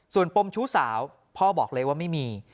ส่วนปมชู้สาวพ่อบอกเลยว่าไม่มี